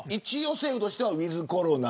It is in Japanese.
政府としては一応ウィズコロナ。